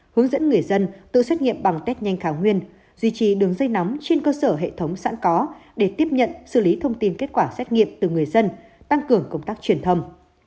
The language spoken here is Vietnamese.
hướng dẫn người dân tự xét nghiệm bằng test nhanh khả nguyên duy trì đường dây nóng trên cơ sở hệ thống sẵn có để tiếp nhận xử lý thông tin kết quả xét nghiệm từ người dân tăng cường công tác truyền thông